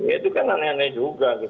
ya itu kan aneh aneh juga